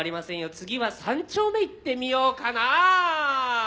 次は三丁目いってみようかな。